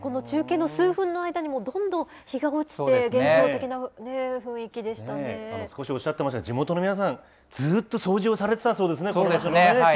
この中継の数分の間にも、どんどん日が落ちて、幻想的な雰囲おっしゃってましたけど、地元の皆さん、ずっと掃除をされてたそうですね。